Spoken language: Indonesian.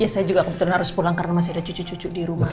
saya juga kebetulan harus pulang karena masih ada cucu cucu di rumah